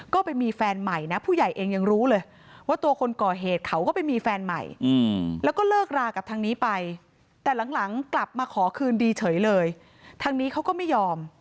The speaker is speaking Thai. ขอคืนดีเฉยเลยทางนี้เขาก็ไม่ยอม